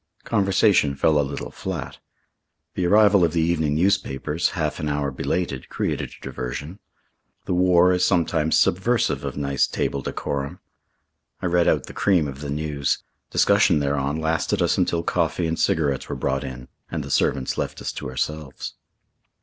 Conversation fell a little flat. The arrival of the evening newspapers, half an hour belated, created a diversion. The war is sometimes subversive of nice table decorum. I read out the cream of the news. Discussion thereon lasted us until coffee and cigarettes were brought in and the servants left us to ourselves.